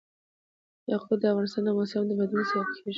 یاقوت د افغانستان د موسم د بدلون سبب کېږي.